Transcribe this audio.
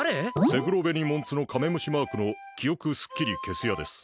セグロベニモンツノカメムシマークの記憶スッキリ消す屋です。